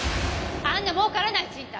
あんな儲からない賃貸